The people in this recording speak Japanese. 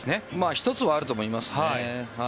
１つはあると思いますね。